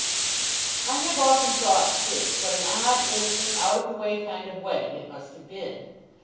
I have often thought, since, what an odd, innocent, out of the way kind of wedding it must have been!